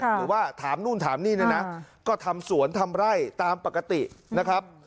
หรือว่าถามนู่นถามนี่เนี่ยนะก็ทำสวนทำไร่ตามปกตินะครับ